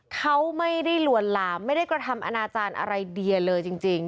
เขาไม่ได้ลวนหลามไม่ได้กระทำอนาจารย์อะไรเดียเลยจริง